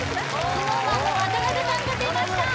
ＳｎｏｗＭａｎの渡辺さんが出ました